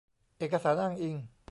เอกสารอ้างอิง